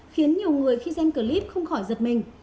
khiến nhiều người khi xem clip không khỏi giật mình